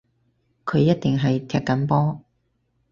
佢一定係踢緊波